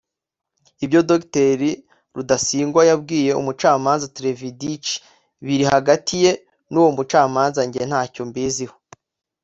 Ibyo Dr Rudasingwa yabwiye umucamanza Trévidic biri hagati ye n’uwo mucamanza njye ntacyo mbiziho